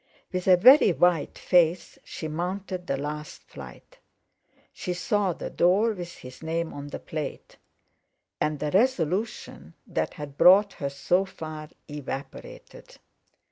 With a very white face she mounted the last flight. She saw the door, with his name on the plate. And the resolution that had brought her so far evaporated.